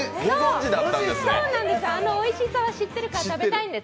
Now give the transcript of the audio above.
そうなんです、あのおいしさは知ってるから食べたいんです！